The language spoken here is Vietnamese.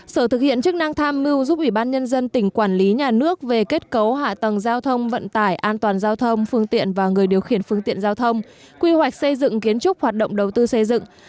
sở thực hiện chức năng tham mưu giúp ủy ban nhân dân tỉnh quản lý nhà nước về kết cấu hạ tầng giao thông vận tải an toàn giao thông phương tiện và người điều khiển phương tiện giao thông quy hoạch xây dựng kiến trúc hoạt động đầu tư xây dựng